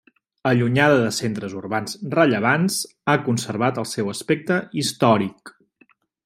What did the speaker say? Allunyada de centres urbans rellevants, ha conservat el seu aspecte històric.